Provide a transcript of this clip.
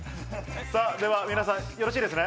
さぁでは皆さんよろしいですね？